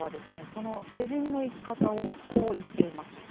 その世人の生き方をこう言っています。